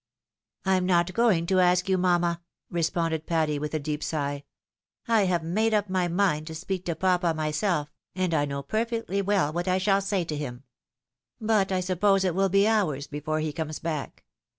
" I'm not going to ask you, mamma," responded Patty, with a deep sigh. "I have made up my mind to speak to papa myself, and I know perfectly well what I shall say to him. But I suppose it will be hours before he comes back.